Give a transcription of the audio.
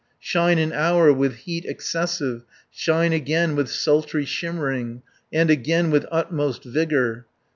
Shine an hour with heat excessive, Shine again with sultry shimmering, And again with utmost vigour.